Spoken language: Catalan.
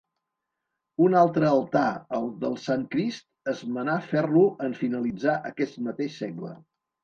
Un altre altar, el del Sant Crist es manà fer-lo en finalitzar aquest mateix segle.